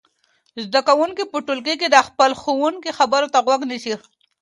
زده کوونکي په ټولګي کې د خپل ښوونکي خبرو ته غوږ نیسي.